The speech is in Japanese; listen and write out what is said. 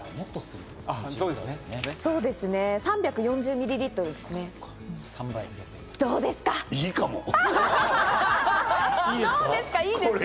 ３４０ミリリットルですね、どうですか？